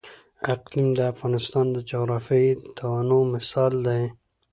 اقلیم د افغانستان د جغرافیوي تنوع مثال دی.